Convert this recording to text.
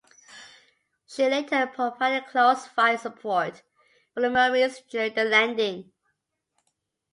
She later provided close fire support for the Marines during the landing.